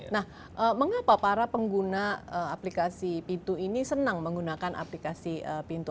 nah mengapa para pengguna aplikasi pintu ini senang menggunakan aplikasi pintu